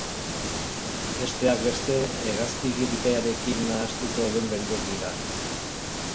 Besteak beste, hegazti gripearekin nahastuko den beldur dira.